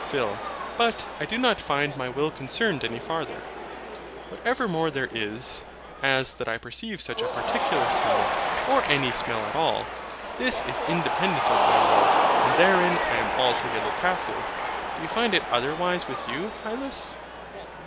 PHIL. But I do not find my will concerned any farther. Whatever more there is as that I perceive such a particular smell, or any smell at all this is independent of my will, and therein I am altogether passive. Do you find it otherwise with you, Hylas?